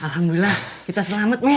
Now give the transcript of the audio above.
alhamdulillah kita selamat mit